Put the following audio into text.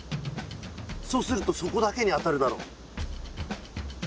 そうすると底だけに当たるだろ。